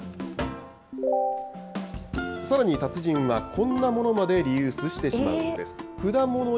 さらに達人は、こんなものまでリユースしてしまうんです。